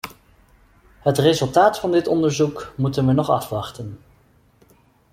Het resultaat van dit onderzoek moeten we nog afwachten.